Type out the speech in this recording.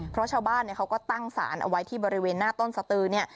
เพราะชาวบ้านเขาก็ตั้งสารเอาไว้ที่บริเวณหน้าต้นสตือเนี่ย